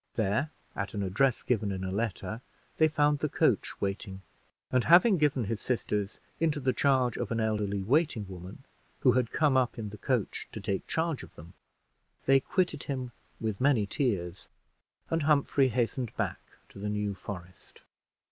There, at an address given in a letter, they found the coach waiting; and having given his sisters into the charge of an elderly waiting woman, who had come up in the coach to take charge of them, they quitted him with many tears, and Humphrey hastened back to the New Forest.